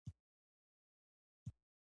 لوړ کیفیت د مشتری پام ځان ته رااړوي.